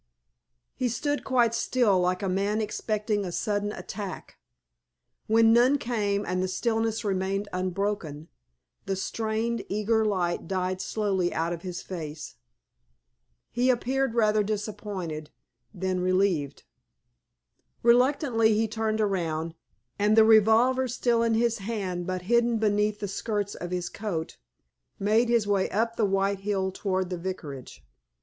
He stood quite still like a man expecting a sudden attack. When none came and the stillness remained unbroken, the strained, eager light died slowly out of his face. He appeared rather disappointed than relieved. Reluctantly he turned around, and with the revolver still in his hand but hidden beneath the skirts of his coat, made his way up the white hill towards the Vicarage.